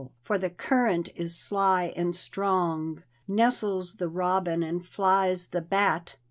For the current is sly and strong; Nestles the robin and flies the bat.